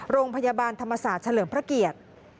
โรงพยาบาลธรรมศาสตร์เฉลิมพระเกียรติ